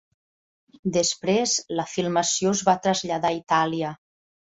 Després, la filmació es va traslladar a Itàlia.